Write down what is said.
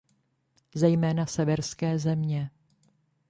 Zejména severské země.